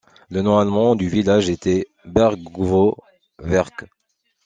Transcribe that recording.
Le nom allemand du village était Bergvorwerk.